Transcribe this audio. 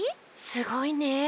すごいね。